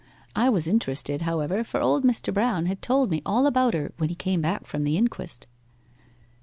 I was interested, however, for old Mr. Brown had told me all about her when he came back from the inquest.